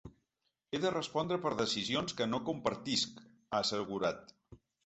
“He de respondre per decisions que no compartisc”, ha assegurat.